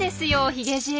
ヒゲじい。